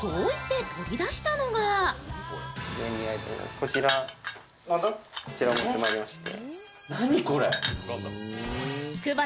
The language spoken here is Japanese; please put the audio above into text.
こちら持ってまいりまして。